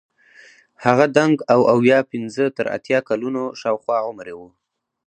هغه دنګ او اویا پنځه تر اتیا کلونو شاوخوا عمر یې وو.